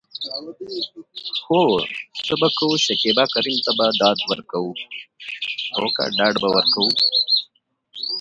څه به کوم.شکيبا کريم ته ډاډ ورکو .